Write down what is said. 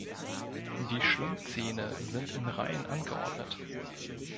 Die Schlundzähne sind in Reihen angeordnet.